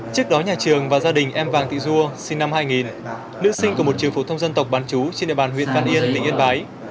trước đó nhà trường và gia đình em vàng thị dua sinh năm hai nghìn nữ sinh của một trường phổ thông dân tộc bán chú trên địa bàn huyện văn yên tỉnh yên bái